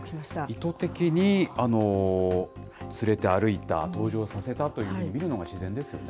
意図的に連れて歩いた、登場させたというふうに見るのが自然ですよね。